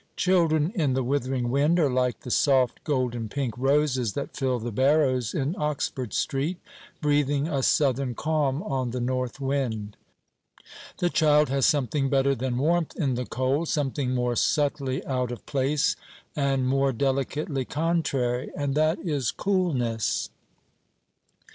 Children in the withering wind are like the soft golden pink roses that fill the barrows in Oxford Street, breathing a southern calm on the north wind. The child has something better than warmth in the cold, something more subtly out of place and more delicately contrary; and that is coolness.